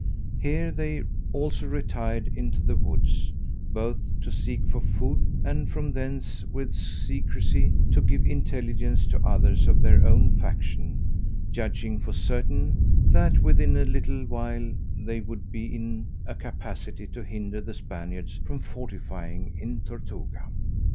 Here they also retired into the woods, both to seek for food, and from thence, with secrecy, to give intelligence to others of their own faction; judging for certain, that within a little while they should be in a capacity to hinder the Spaniards from fortifying in Tortuga.